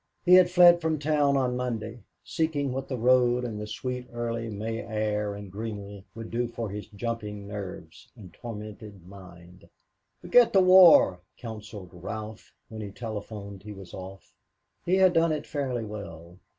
He had fled from town on Monday, seeking what the road and the sweet early May air and greenery would do for his jumping nerves and tormented mind. "Forget the war," counseled Ralph, when he telephoned he was off. He had done it fairly well.